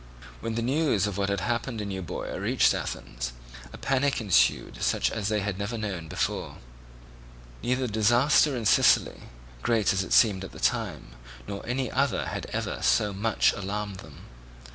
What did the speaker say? When the news of what had happened in Euboea reached Athens, a panic ensued such as they had never before known. Neither the disaster in Sicily, great as it seemed at the time, nor any other had ever so much alarmed them.